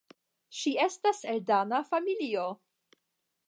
Ŝi estas el dana familio.